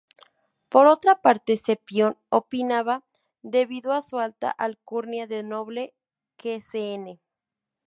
Por otra parte Cepión opinaba, debido a su alta alcurnia de noble, que Cn.